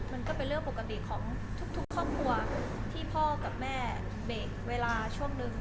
มันก็เป็นเรื่องปกติของทุกครอบครัวที่พ่อกับแม่เบรกเวลาช่วงนึง